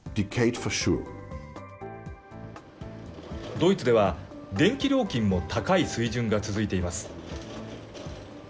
ドイツでは、電気料金も高い水準が続いています。